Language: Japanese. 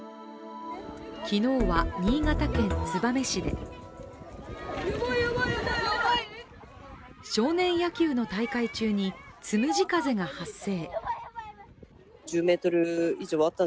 昨日は新潟県燕市で少年野球の大会中につむじ風が発生。